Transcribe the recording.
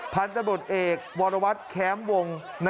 พันธุ์จันทร์บนเอกวรวรรดิแคมป์วงศ์